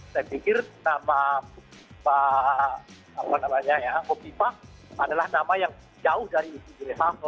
saya pikir nama pak opipa adalah nama yang jauh dari isu reshuffle